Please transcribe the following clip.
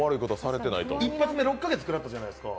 一発目、６か月食らったじゃないですか。